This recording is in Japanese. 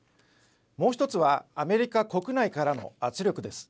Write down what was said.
もう１つは、アメリカ国内からの圧力です。